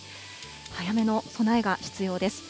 早めの備えが必要です。